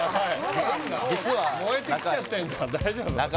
燃えてきちゃってんじゃん大丈夫？